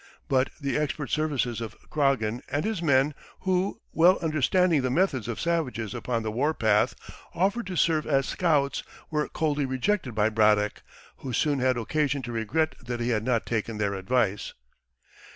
But the expert services of Croghan and his men, who, well understanding the methods of savages upon the war path, offered to serve as scouts, were coldly rejected by Braddock, who soon had occasion to regret that he had not taken their advice.